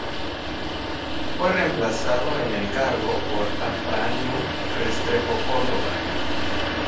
Fue reemplazado en el cargo por Afranio Restrepo Cordova.